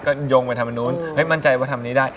ก็โยงไปทำอันนู้นมั่นใจว่าทำนี้ได้